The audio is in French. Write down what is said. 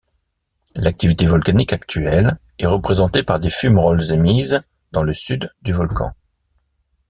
L'activité volcanique actuelle est représentée par des fumerolles émises dans le sud du volcan.